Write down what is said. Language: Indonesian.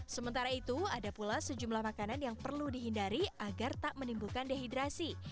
sementara itu ada pula sejumlah makanan yang perlu dihindari agar tak menimbulkan dehidrasi